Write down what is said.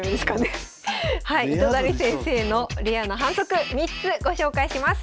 糸谷先生のレアな反則３つご紹介します。